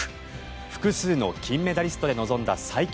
複数の金メダリストで臨んだ最強